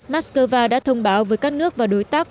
mắc cơ va đã thông báo với các nước và đối tác